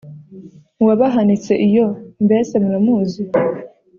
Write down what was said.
Uwabahanitse iyo mbese muramuzi?,